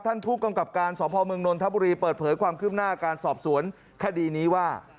ท่านผู้กำกับการสพมนนทบุรีเปิดเผยความคืบหน้าการสอบสวนคดีนี้ว่า